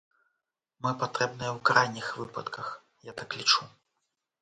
Мы патрэбныя ў крайніх выпадках, я так лічу.